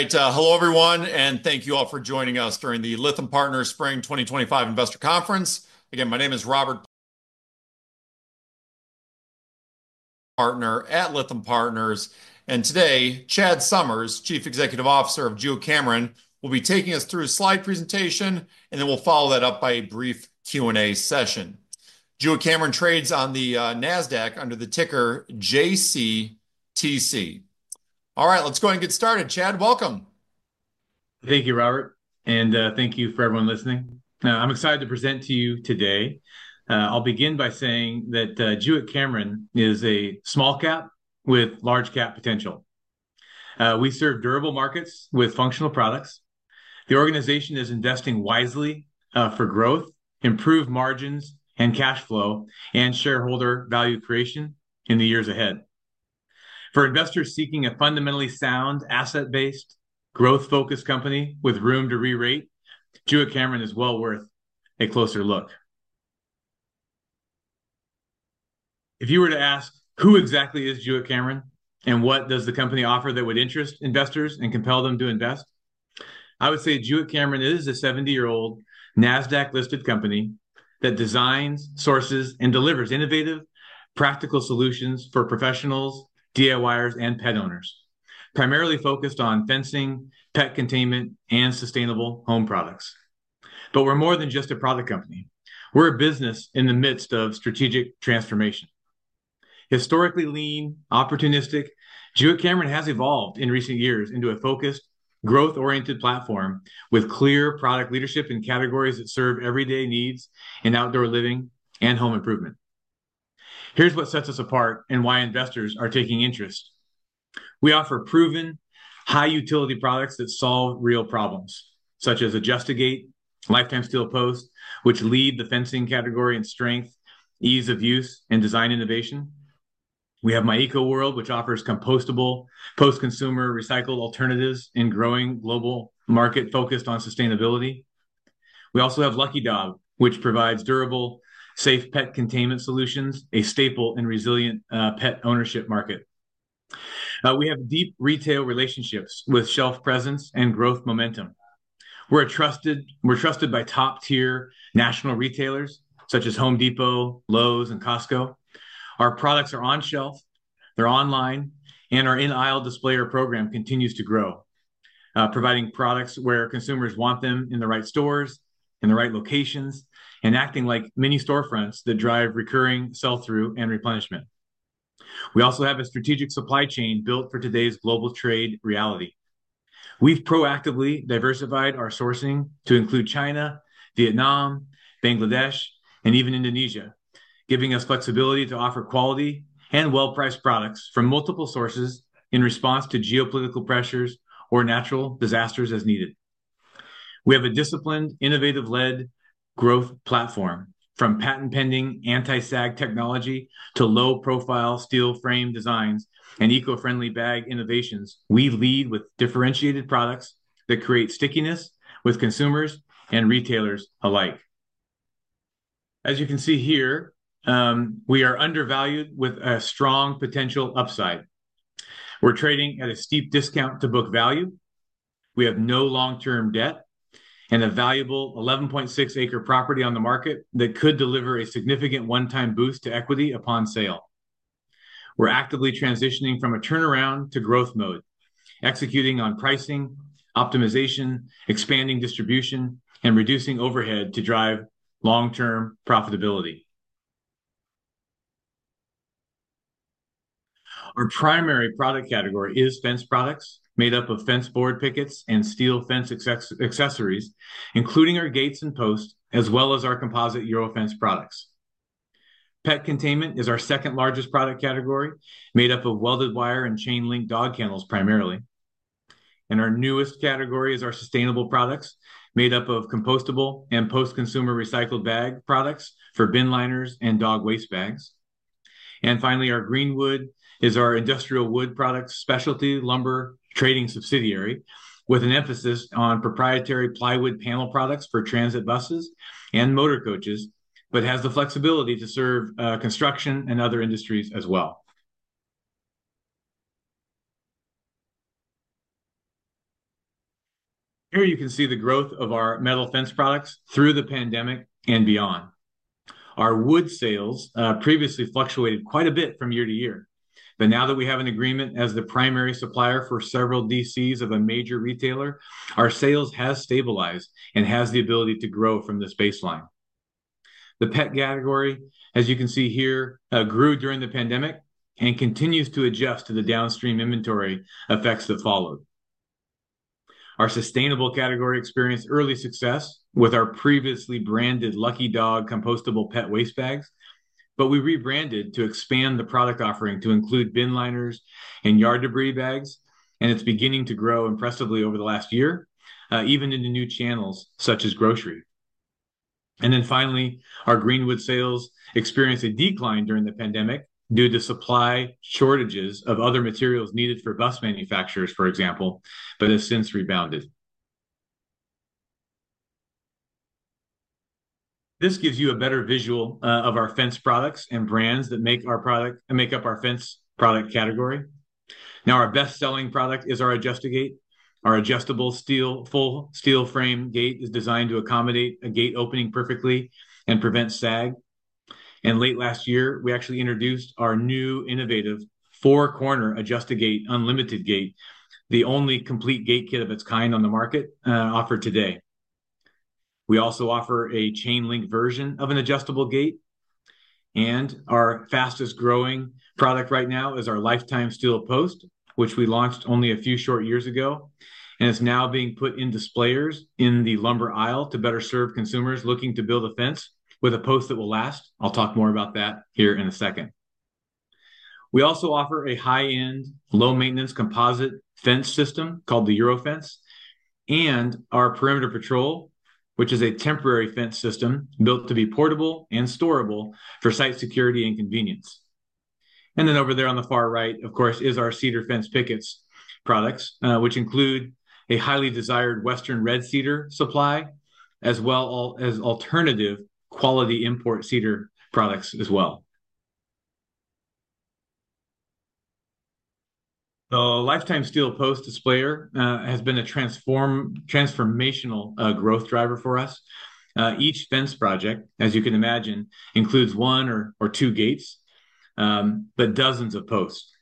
All right. Hello, everyone, and thank you all for joining us during the Lytham Partners Spring 2025 Investor Conference. Again, my name is Robert Partner at Lytham Partners. Today, Chad Summers, Chief Executive Officer of Jewett-Cameron, will be taking us through a slide presentation, and then we'll follow that up by a brief Q&A session. Jewett-Cameron trades on the NASDAQ under the ticker JCTC. All right, let's go ahead and get started. Chad, welcome. Thank you, Robert, and thank you for everyone listening. I'm excited to present to you today. I'll begin by saying that Jewett-Cameron is a small cap with large cap potential. We serve durable markets with functional products. The organization is investing wisely for growth, improved margins and cash flow, and shareholder value creation in the years ahead. For investors seeking a fundamentally sound, asset-based, growth-focused company with room to re-rate, Jewett-Cameron is well worth a closer look. If you were to ask, who exactly is Jewett-Cameron and what does the company offer that would interest investors and compel them to invest? I would say Jewett-Cameron is a 70-year-old NASDAQ-listed company that designs, sources, and delivers innovative, practical solutions for professionals, DIYers, and pet owners, primarily focused on fencing, pet containment, and sustainable home products. We are more than just a product company. We're a business in the midst of strategic transformation. Historically lean, opportunistic, Jewett-Cameron has evolved in recent years into a focused, growth-oriented platform with clear product leadership and categories that serve everyday needs in outdoor living and home improvement. Here's what sets us apart and why investors are taking interest. We offer proven, high-utility products that solve real problems, such as Adjust-A-Gate, Lifetime Steel Post, which lead the fencing category in strength, ease of use, and design innovation. We have MyEcoWorld, which offers compostable, post-consumer recycled alternatives in growing global market focused on sustainability. We also have Lucky Dog, which provides durable, safe pet containment solutions, a staple in resilient pet ownership market. We have deep retail relationships with shelf presence and growth momentum. We're trusted by top-tier national retailers such as Home Depot, Lowe's, and Costco. Our products are on shelf, they're online, and our in-aisle display program continues to grow, providing products where consumers want them in the right stores, in the right locations, and acting like mini storefronts that drive recurring sell-through and replenishment. We also have a strategic supply chain built for today's global trade reality. We've proactively diversified our sourcing to include China, Vietnam, Bangladesh, and even Indonesia, giving us flexibility to offer quality and well-priced products from multiple sources in response to geopolitical pressures or natural disasters as needed. We have a disciplined, innovative-led growth platform. From patent-pending anti-sag technology to low-profile steel frame designs and eco-friendly bag innovations, we lead with differentiated products that create stickiness with consumers and retailers alike. As you can see here, we are undervalued with a strong potential upside. We're trading at a steep discount to book value. We have no long-term debt and a valuable 11.6-acre property on the market that could deliver a significant one-time boost to equity upon sale. We're actively transitioning from a turnaround to growth mode, executing on pricing, optimization, expanding distribution, and reducing overhead to drive long-term profitability. Our primary product category is fence products made up of fence board pickets and steel fence accessories, including our gates and posts, as well as our composite Euro Fence products. Pet containment is our second largest product category, made up of welded wire and chain-link dog kennels primarily. Our newest category is our sustainable products, made up of compostable and post-consumer recycled bag products for bin liners and dog waste bags. Our Greenwood is our industrial wood products specialty lumber trading subsidiary, with an emphasis on proprietary plywood panel products for transit buses and motor coaches, but has the flexibility to serve construction and other industries as well. Here you can see the growth of our metal fence products through the pandemic and beyond. Our wood sales previously fluctuated quite a bit from year to year, but now that we have an agreement as the primary supplier for several DCs of a major retailer, our sales have stabilized and have the ability to grow from this baseline. The pet category, as you can see here, grew during the pandemic and continues to adjust to the downstream inventory effects that followed. Our sustainable category experienced early success with our previously branded Lucky Dog compostable pet waste bags, but we rebranded to expand the product offering to include bin liners and yard debris bags, and it is beginning to grow impressively over the last year, even into new channels such as grocery. Finally, our Greenwood sales experienced a decline during the pandemic due to supply shortages of other materials needed for bus manufacturers, for example, but has since rebounded. This gives you a better visual of our fence products and brands that make up our fence product category. Now, our best-selling product is our Adjust-A-Gate. Our adjustable full steel frame gate is designed to accommodate a gate opening perfectly and prevent sag. Late last year, we actually introduced our new innovative Four-Corner Adjust-A-Gate Unlimited Gate, the only complete gate kit of its kind on the market offered today. We also offer a chain-link version of an adjustable gate. Our fastest-growing product right now is our Lifetime Steel Post, which we launched only a few short years ago, and it's now being put in displayers in the lumber aisle to better serve consumers looking to build a fence with a post that will last. I'll talk more about that here in a second. We also offer a high-end, low-maintenance composite fence system called the Euro Fence and our Perimeter Patrol, which is a temporary fence system built to be portable and storable for site security and convenience. Over there on the far right, of course, is our Cedar Fence Pickets products, which include a highly desired Western Red Cedar supply as well as alternative quality import cedar products as well. The Lifetime Steel Post displayer has been a transformational growth driver for us. Each fence project, as you can imagine, includes one or two gates, but dozens of posts.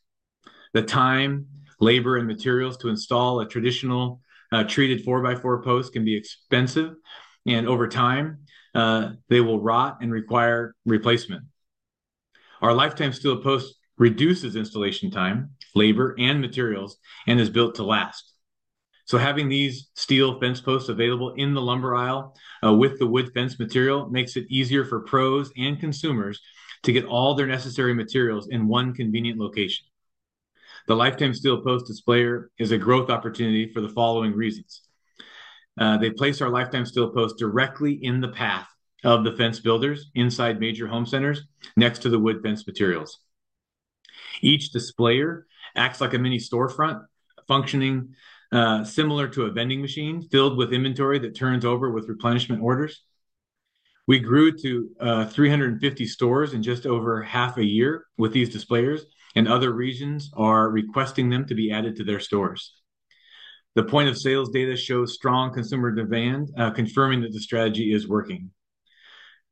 The time, labor, and materials to install a traditional treated four-by-four post can be expensive, and over time, they will rot and require replacement. Our Lifetime Steel Post reduces installation time, labor, and materials and is built to last. Having these steel fence posts available in the lumber aisle with the wood fence material makes it easier for pros and consumers to get all their necessary materials in one convenient location. The Lifetime Steel Post displayer is a growth opportunity for the following reasons. They place our Lifetime Steel Post directly in the path of the fence builders inside major home centers next to the wood fence materials. Each displayer acts like a mini storefront, functioning similar to a vending machine filled with inventory that turns over with replenishment orders. We grew to 350 stores in just over half a year with these displayers, and other regions are requesting them to be added to their stores. The point of sales data shows strong consumer demand, confirming that the strategy is working.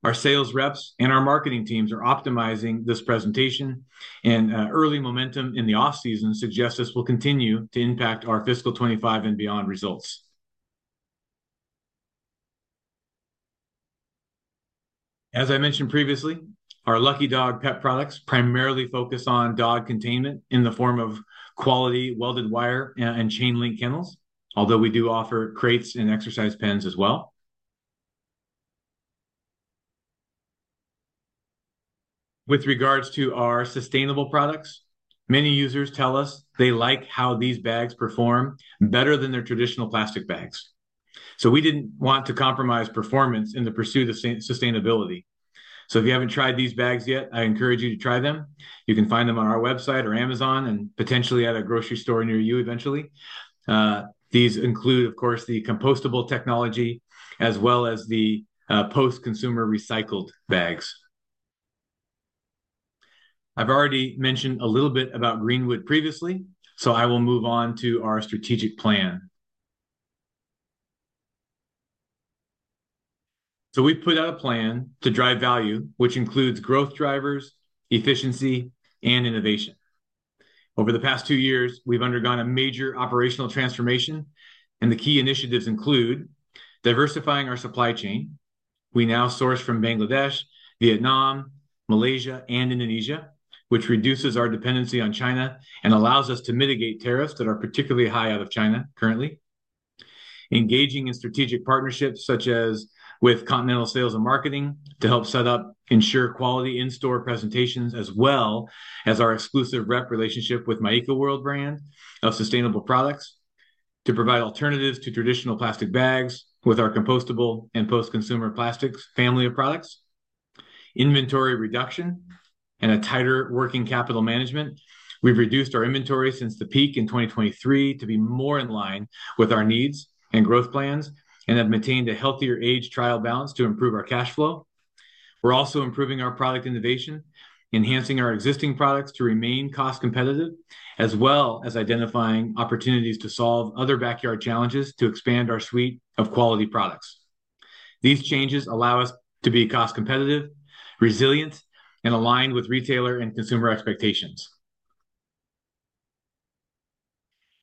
Our s`ales reps and our marketing teams are optimizing this presentation, and early momentum in the off-season suggests this will continue to impact our fiscal 2025 and beyond results. As I mentioned previously, our Lucky Dog pet products primarily focus on dog containment in the form of quality welded wire and chain-link kennels, although we do offer crates and exercise pens as well. With regards to our sustainable products, many users tell us they like how these bags perform better than their traditional plastic bags. We did not want to compromise performance in the pursuit of sustainability. If you have not tried these bags yet, I encourage you to try them. You can find them on our website or Amazon and potentially at a grocery store near you eventually. These include, of course, the compostable technology as well as the post-consumer recycled bags. I have already mentioned a little bit about Greenwood previously, so I will move on to our strategic plan. We have put out a plan to drive value, which includes growth drivers, efficiency, and innovation. Over the past two years, we have undergone a major operational transformation, and the key initiatives include diversifying our supply chain. We now source from Bangladesh, Vietnam, Malaysia, and Indonesia, which reduces our dependency on China and allows us to mitigate tariffs that are particularly high out of China currently. Engaging in strategic partnerships such as with Continental Sales & Marketing to help set up, ensure quality in-store presentations, as well as our exclusive rep relationship with MyEcoWorld brand of sustainable products to provide alternatives to traditional plastic bags with our compostable and post-consumer plastics family of products. Inventory reduction and a tighter working capital management. We've reduced our inventory since the peak in 2023 to be more in line with our needs and growth plans and have maintained a healthier age trial balance to improve our cash flow. We're also improving our product innovation, enhancing our existing products to remain cost competitive, as well as identifying opportunities to solve other backyard challenges to expand our suite of quality products. These changes allow us to be cost competitive, resilient, and aligned with retailer and consumer expectations.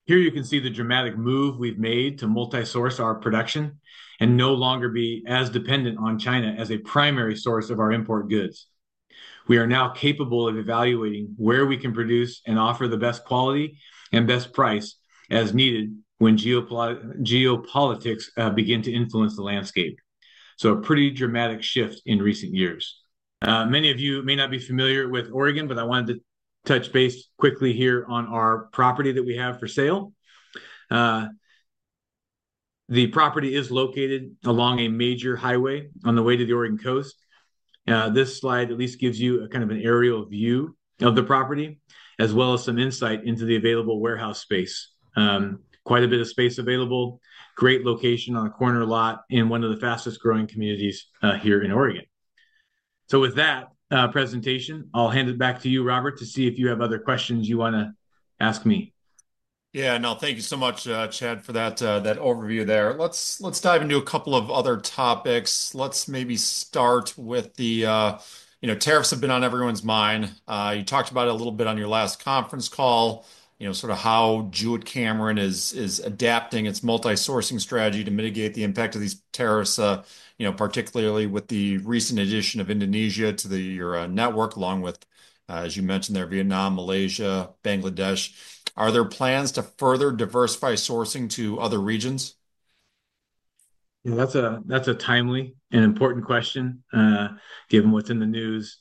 Here you can see the dramatic move we've made to multi-source our production and no longer be as dependent on China as a primary source of our import goods. We are now capable of evaluating where we can produce and offer the best quality and best price as needed when geopolitics begin to influence the landscape. A pretty dramatic shift in recent years. Many of you may not be familiar with Oregon, but I wanted to touch base quickly here on our property that we have for sale. The property is located along a major highway on the way to the Oregon coast. This slide at least gives you a kind of an aerial view of the property, as well as some insight into the available warehouse space. Quite a bit of space available, great location on a corner lot in one of the fastest-growing communities here in Oregon. With that presentation, I'll hand it back to you, Robert, to see if you have other questions you want to ask me. Yeah, no, thank you so much, Chad, for that overview there. Let's dive into a couple of other topics. Let's maybe start with the tariffs have been on everyone's mind. You talked about it a little bit on your last conference call, sort of how Jewett-Cameron is adapting its multi-sourcing strategy to mitigate the impact of these tariffs, particularly with the recent addition of Indonesia to your network, along with, as you mentioned there, Vietnam, Malaysia, Bangladesh. Are there plans to further diversify sourcing to other regions? Yeah, that's a timely and important question given what's in the news.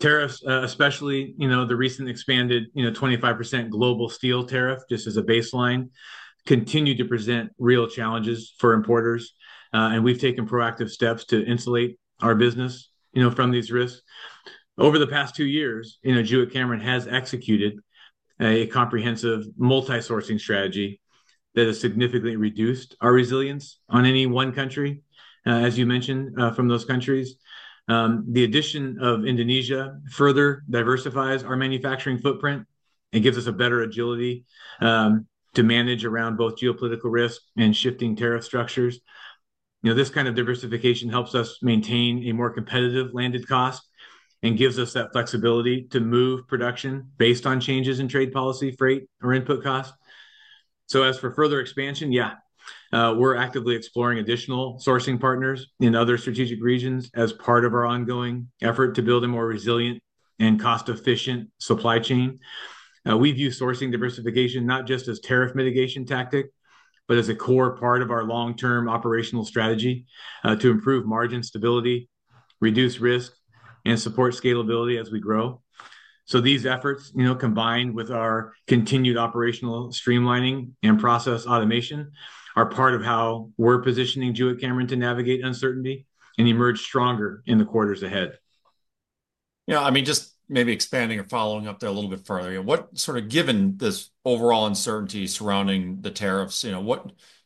Tariffs, especially the recent expanded 25% global steel tariff just as a baseline, continue to present real challenges for importers, and we've taken proactive steps to insulate our business from these risks. Over the past two years, Jewett-Cameron has executed a comprehensive multi-sourcing strategy that has significantly reduced our reliance on any one country, as you mentioned, from those countries. The addition of Indonesia further diversifies our manufacturing footprint and gives us better agility to manage around both geopolitical risk and shifting tariff structures. This kind of diversification helps us maintain a more competitive landed cost and gives us that flexibility to move production based on changes in trade policy, freight, or input costs. As for further expansion, yeah, we're actively exploring additional sourcing partners in other strategic regions as part of our ongoing effort to build a more resilient and cost-efficient supply chain. We view sourcing diversification not just as a tariff mitigation tactic, but as a core part of our long-term operational strategy to improve margin stability, reduce risk, and support scalability as we grow. These efforts, combined with our continued operational streamlining and process automation, are part of how we're positioning Jewett-Cameron to navigate uncertainty and emerge stronger in the quarters ahead. Yeah, I mean, just maybe expanding or following up there a little bit further. What sort of, given this overall uncertainty surrounding the tariffs,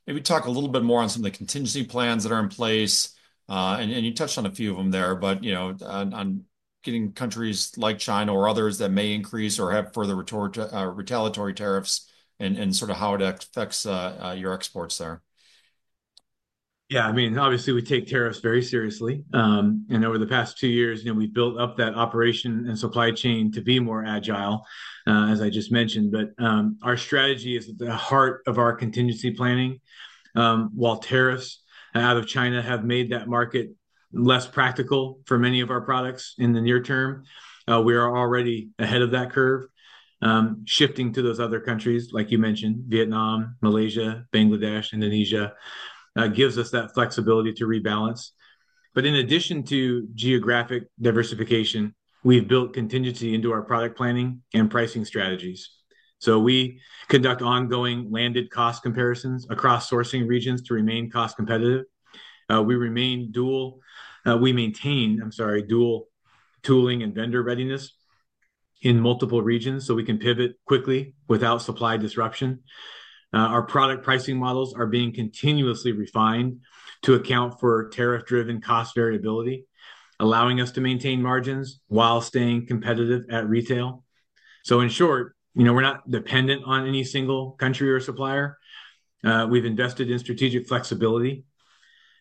maybe talk a little bit more on some of the contingency plans that are in place. You touched on a few of them there, but on getting countries like China or others that may increase or have further retaliatory tariffs and sort of how it affects your exports there. Yeah, I mean, obviously, we take tariffs very seriously. Over the past two years, we've built up that operation and supply chain to be more agile, as I just mentioned. Our strategy is at the heart of our contingency planning. While tariffs out of China have made that market less practical for many of our products in the near term, we are already ahead of that curve. Shifting to those other countries, like you mentioned, Vietnam, Malaysia, Bangladesh, Indonesia, gives us that flexibility to rebalance. In addition to geographic diversification, we've built contingency into our product planning and pricing strategies. We conduct ongoing landed cost comparisons across sourcing regions to remain cost competitive. We remain dual; we maintain, I'm sorry, dual tooling and vendor readiness in multiple regions so we can pivot quickly without supply disruption. Our product pricing models are being continuously refined to account for tariff-driven cost variability, allowing us to maintain margins while staying competitive at retail. In short, we're not dependent on any single country or supplier. We've invested in strategic flexibility,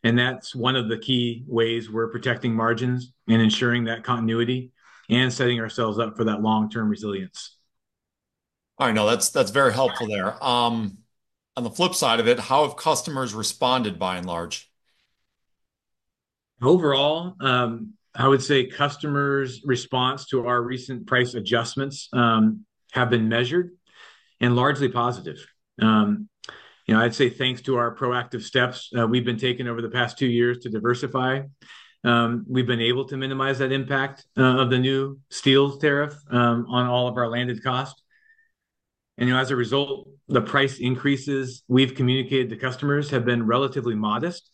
and that's one of the key ways we're protecting margins and ensuring that continuity and setting ourselves up for that long-term resilience. All right, no, that's very helpful there. On the flip side of it, how have customers responded, by and large? Overall, I would say customers' response to our recent price adjustments have been measured and largely positive. I'd say thanks to our proactive steps we've been taking over the past two years to diversify, we've been able to minimize that impact of the new steel tariff on all of our landed costs. As a result, the price increases we've communicated to customers have been relatively modest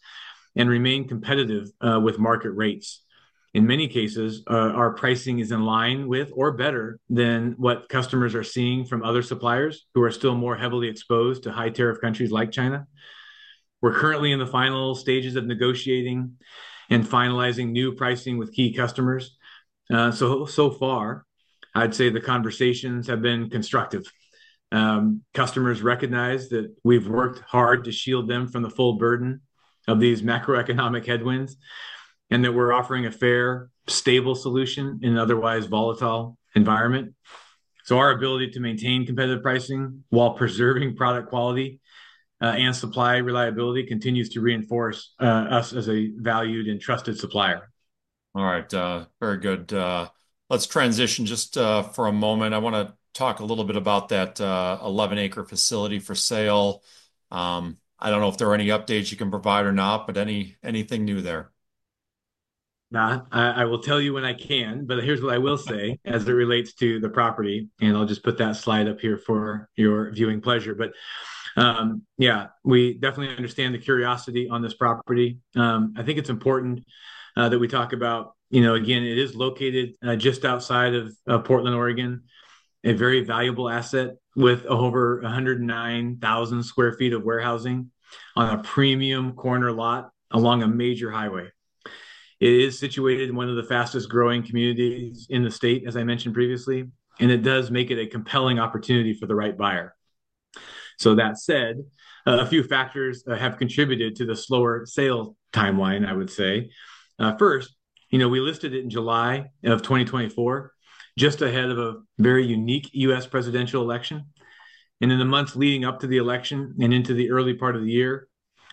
and remain competitive with market rates. In many cases, our pricing is in line with or better than what customers are seeing from other suppliers who are still more heavily exposed to high tariff countries like China. We're currently in the final stages of negotiating and finalizing new pricing with key customers. So far, I'd say the conversations have been constructive. Customers recognize that we've worked hard to shield them from the full burden of these macroeconomic headwinds and that we're offering a fair, stable solution in an otherwise volatile environment. Our ability to maintain competitive pricing while preserving product quality and supply reliability continues to reinforce us as a valued and trusted supplier. All right, very good. Let's transition just for a moment. I want to talk a little bit about that 11.6-acre facility for sale. I don't know if there are any updates you can provide or not, but anything new there? No, I will tell you when I can, but here's what I will say as it relates to the property, and I'll just put that slide up here for your viewing pleasure. Yeah, we definitely understand the curiosity on this property. I think it's important that we talk about, again, it is located just outside of Portland, Oregon, a very valuable asset with over 109,000 sq ft of warehousing on a premium corner lot along a major highway. It is situated in one of the fastest-growing communities in the state, as I mentioned previously, and it does make it a compelling opportunity for the right buyer. That said, a few factors have contributed to the slower sale timeline, I would say. First, we listed it in July of 2024, just ahead of a very unique U.S. presidential election. In the months leading up to the election and into the early part of the year,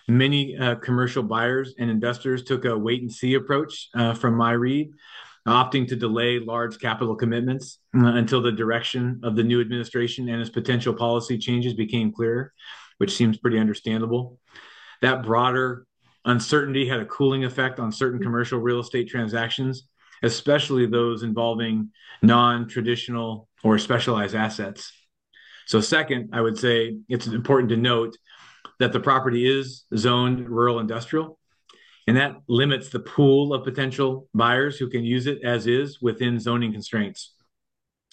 many commercial buyers and investors took a wait-and-see approach from my read, opting to delay large capital commitments until the direction of the new administration and its potential policy changes became clearer, which seems pretty understandable. That broader uncertainty had a cooling effect on certain commercial real estate transactions, especially those involving non-traditional or specialized assets. Second, I would say it's important to note that the property is zoned rural-industrial, and that limits the pool of potential buyers who can use it as is within zoning constraints.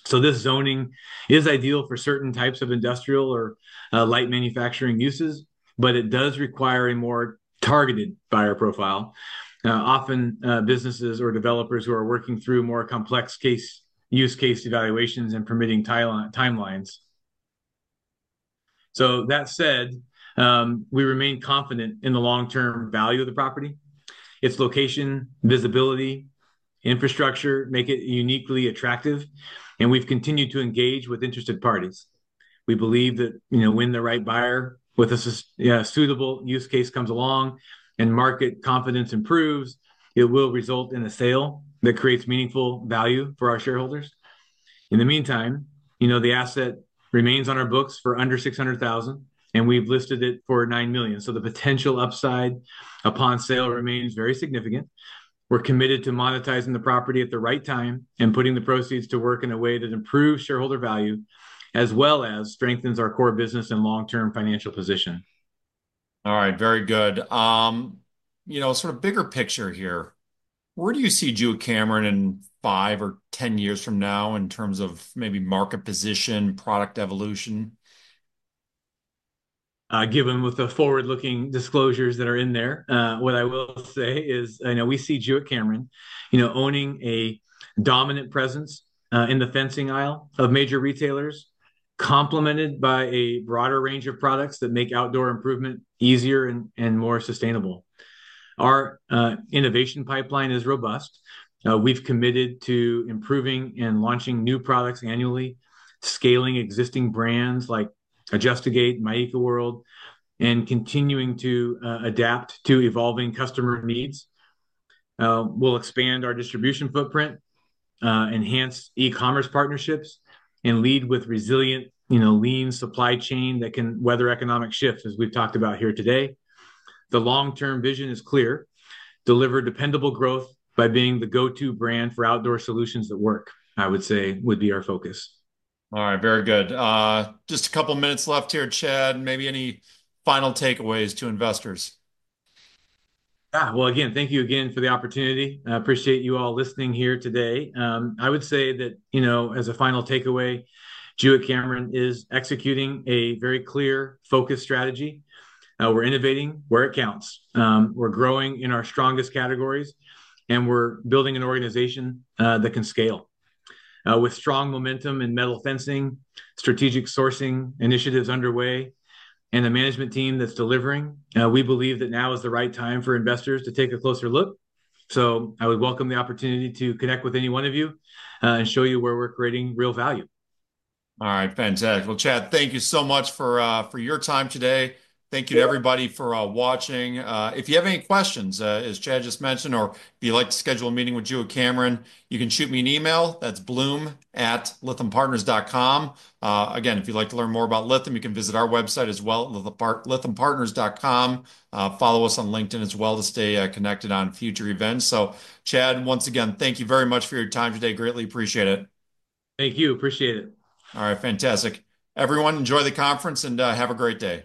This zoning is ideal for certain types of industrial or light manufacturing uses, but it does require a more targeted buyer profile, often businesses or developers who are working through more complex use case evaluations and permitting timelines. That said, we remain confident in the long-term value of the property. Its location, visibility, infrastructure make it uniquely attractive, and we've continued to engage with interested parties. We believe that when the right buyer with a suitable use case comes along and market confidence improves, it will result in a sale that creates meaningful value for our shareholders. In the meantime, the asset remains on our books for under $600,000, and we've listed it for $9 million. The potential upside upon sale remains very significant. We're committed to monetizing the property at the right time and putting the proceeds to work in a way that improves shareholder value as well as strengthens our core business and long-term financial position. All right, very good. Sort of bigger picture here. Where do you see Jewett-Cameron in five or 10 years from now in terms of maybe market position, product evolution? Given with the forward-looking disclosures that are in there, what I will say is we see Jewett-Cameron owning a dominant presence in the fencing aisle of major retailers, complemented by a broader range of products that make outdoor improvement easier and more sustainable. Our innovation pipeline is robust. We've committed to improving and launching new products annually, scaling existing brands like Adjust-A-Gate, MyEcoWorld, and continuing to adapt to evolving customer needs. We'll expand our distribution footprint, enhance e-commerce partnerships, and lead with resilient, lean supply chain that can weather economic shifts, as we've talked about here today. The long-term vision is clear. Deliver dependable growth by being the go-to brand for outdoor solutions that work, I would say, would be our focus. All right, very good. Just a couple of minutes left here, Chad. Maybe any final takeaways to investors? Yeah, thank you again for the opportunity. I appreciate you all listening here today. I would say that as a final takeaway, Jewett-Cameron is executing a very clear focus strategy. We're innovating where it counts. We're growing in our strongest categories, and we're building an organization that can scale. With strong momentum in metal fencing, strategic sourcing initiatives underway, and a management team that's delivering, we believe that now is the right time for investors to take a closer look. I would welcome the opportunity to connect with any one of you and show you where we're creating real value. All right, fantastic. Chad, thank you so much for your time today. Thank you to everybody for watching. If you have any questions, as Chad just mentioned, or if you'd like to schedule a meeting with Jewett-Cameron, you can shoot me an email. That's blum@lythampartners.com. Again, if you'd like to learn more about Lytham, you can visit our website as well at lythampartners.com. Follow us on LinkedIn as well to stay connected on future events. Chad, once again, thank you very much for your time today. Greatly appreciate it. Thank you. Appreciate it. All right, fantastic. Everyone, enjoy the conference and have a great day.